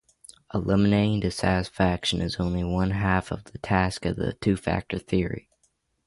Eliminating dissatisfaction is only one half of the task of the two factor theory.